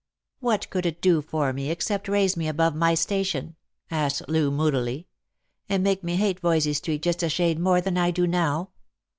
"What could it do for me except raise me above my station ?" asked Loo moodily ;" and make me hate Voysey street just a shade more than I do now.